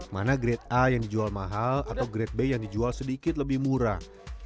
mana grade a yang dijual mahal atau grade b yang dijual sedikit lebih murah